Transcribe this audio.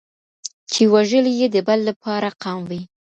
چي وژلی یې د بل لپاره قام وي